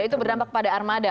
itu berdampak pada armada